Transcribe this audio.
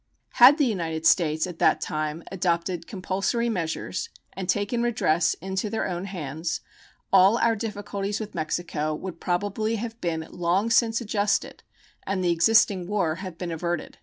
Had the United States at that time adopted compulsory measures and taken redress into their own hands, all our difficulties with Mexico would probably have been long since adjusted and the existing war have been averted.